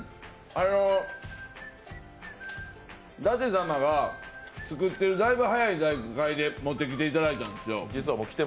舘様が作ってるだいぶ早い段階で持ってきていただいたんですよ。